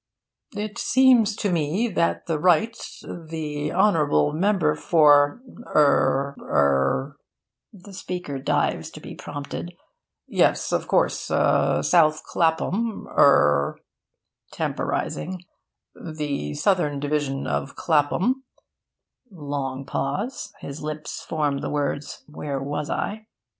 'It seems to me that the Right the honourable member for er er (the speaker dives to be prompted) yes, of course South Clapham er (temporising) the Southern division of Clapham (long pause; his lips form the words 'Where was I?')